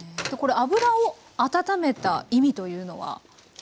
これ油を温めた意味というのは？